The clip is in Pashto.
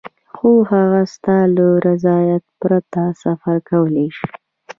خو هغه ستا له رضایت پرته سفر کولای شي.